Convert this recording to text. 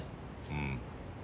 うん。